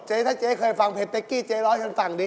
ถ้าเจ๊เคยฟังเพจเป๊กกี้เจ๊ร้อยฉันฟังดี